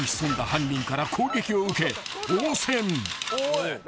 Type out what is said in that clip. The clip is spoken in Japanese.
犯人から攻撃を受け応戦］